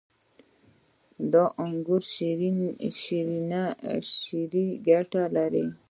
• د انګورو شیره ګټه لري.